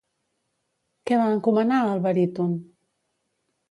Què va encomanar al baríton?